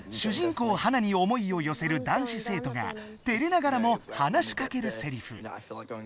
こうハナに思いをよせる男子せいとがてれながらも話しかけるセリフ。